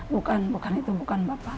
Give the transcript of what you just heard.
bukan bukan itu bukan bapak